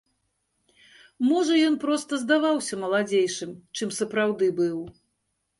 Можа, ён проста здаваўся маладзейшым, чым сапраўды быў.